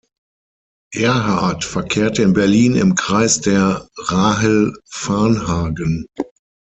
Erhard verkehrte in Berlin im Kreis der Rahel Varnhagen.